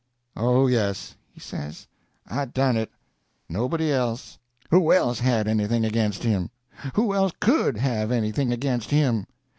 "Oh, yes," he says, "I done it—nobody else. Who else had anything against him? Who else could have anything against him?"